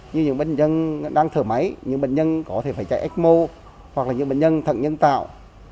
những bệnh nhân có thể phải chạy ecmo hoặc là những bệnh nhân thận nhân tạo